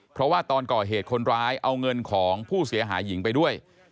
เพราะว่าตอนก่อเหตุคนร้ายเอาเงินของผู้เสียหายหญิงไปด้วย